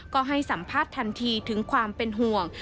ก็ให้สัมภาษณ์ทันทีถึงความเป็นห่วง